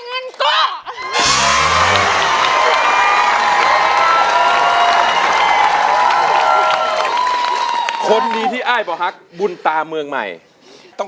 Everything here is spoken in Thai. เพลงที่๕นะครับมูลค่า๘๐๐๐๐บาท